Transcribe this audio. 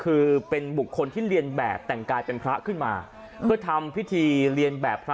คือเป็นบุคคลที่เรียนแบบแต่งกายเป็นพระขึ้นมาเพื่อทำพิธีเรียนแบบพระ